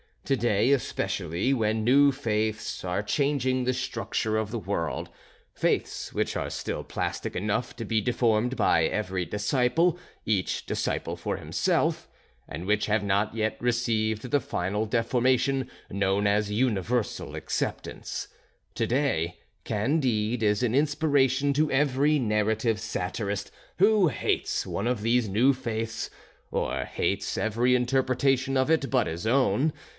To day, especially, when new faiths are changing the structure of the world, faiths which are still plastic enough to be deformed by every disciple, each disciple for himself, and which have not yet received the final deformation known as universal acceptance, to day "Candide" is an inspiration to every narrative satirist who hates one of these new faiths, or hates every interpretation of it but his own.